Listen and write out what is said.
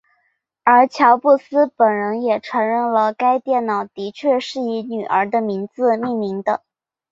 而乔布斯本人也承认了该电脑的确是以女儿的名字命名的。